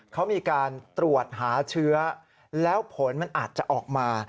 เขามีการตรวจหาเชื้อแล้วผลมันอาจจะออกมา